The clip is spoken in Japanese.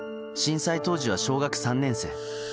震災当時は小学３年生。